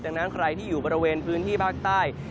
ดังนั้นใครที่อยู่บริเวณพื้นที่ภาคใต้